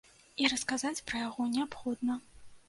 І расказаць пра яго неабходна.